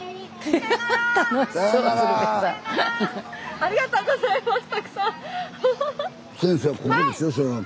ありがとうございますたくさん。